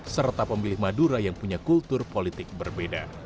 serta pemilih madura yang punya kultur politik berbeda